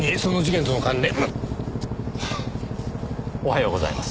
おはようございます。